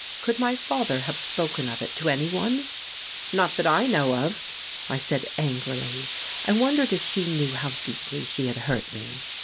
Could my father have spoken of it to anyone? "Not that I know of," I said angrily. I wondered if she knew how deeply she had hurt me.